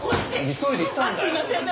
急いで来たんだよ。